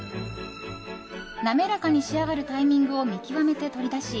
滑らかに仕上がるタイミングを見極めて取り出し